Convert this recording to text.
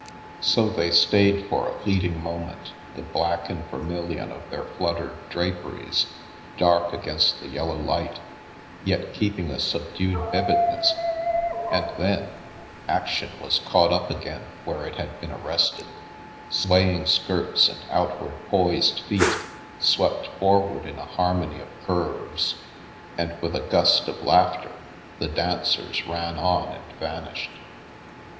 So they stayed for a fleeting moment, the black and vermilion of their fluttered draperies dark against the yellow light, yet keeping a subdued vividness, and then — action was caught up again where it had been arrested, swaying skirts and outward poised feet swept forward in a har mony of curves, and with a gust of laughter, the dancers ran on and vanished.